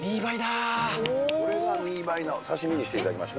これがミーバイの刺身にしていただきました。